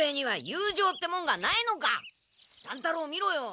乱太郎を見ろよ！